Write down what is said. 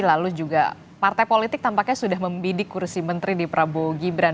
lalu juga partai politik tampaknya sudah membidik kursi menteri di prabowo gibran